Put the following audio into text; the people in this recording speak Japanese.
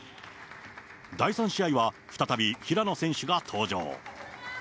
第３試合は、再び平野選手が登場。